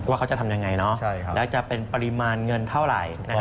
ว่าเขาจะทำยังไงแล้วจะเป็นปริมาณเงินเท่าไหร่